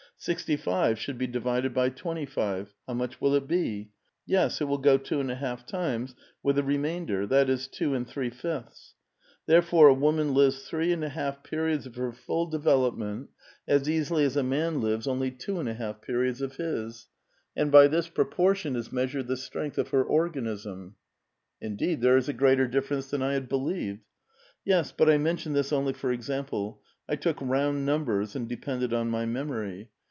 Sixty five should be divided by twenty five : how much will it be? Yes, it will go two and a half times, with a remainder — that is, two and three fifths. Therefore a woman lives three and a half periods of her full develop A VITAL QUESTION. ' 349 ment as easily as a roan lives only two and a half periods of his. And by this proportion is measured the strength of her organism." *' Indeed, there is a greater difference than I had be lieved." " Yes, but I mentioned this only for example ; I took round numbers, and depended on my memory.